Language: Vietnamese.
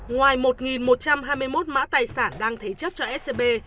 ngoài một một trăm hai mươi một mã tài sản đang thấy chất cho scb